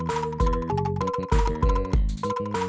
sebabnya bukan itu